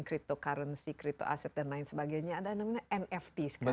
cryptocurrency crypto aset dan lain sebagainya ada namanya nft sekarang